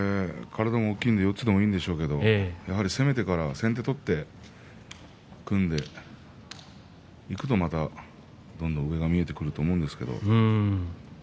体も大きいので四つもいいんでしょうけども攻めてから先手を取って組んでいくとまたどんどん上が見えてくると思うんですけどね。